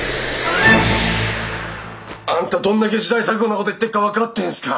あんたどんだけ時代錯誤なこと言ってっか分かってるんですか？